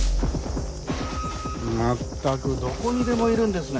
まったくどこにでもいるんですね